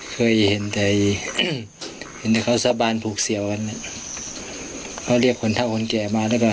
เคยเห็นแล้วเธอสะบานผูกเสี่ยวกันนะเรียกคนเธ่าคนแก่มาก็ได้